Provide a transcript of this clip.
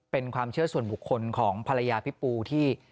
เป็นความเชื่อส่วนบุคคลของภรรยาพี่ปูที่